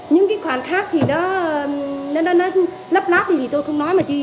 những cái khoản khác thì nó lấp láp thì tôi không nói mà chi